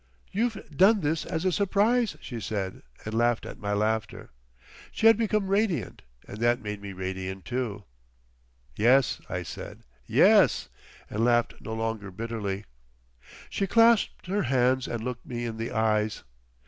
"You've done this as a surprise!" she said, and laughed at my laughter. She had become radiant, and that made me radiant, too. "Yes," I said, "yes," and laughed no longer bitterly. She clasped her hands and looked me in the eyes.